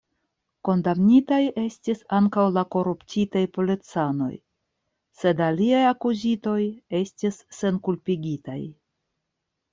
Kondamnitaj estis ankaŭ la koruptitaj policanoj, sed aliaj akuzitoj estis senkulpigitaj.